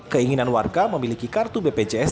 keinginan warga memiliki kartu bpjs